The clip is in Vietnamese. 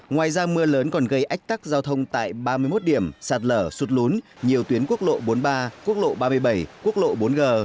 ngoài ra mưa lớn còn gây ách tắc giao thông tại ba mươi một điểm sạt lở sụt lún nhiều tuyến quốc lộ bốn mươi ba quốc lộ ba mươi bảy quốc lộ bốn g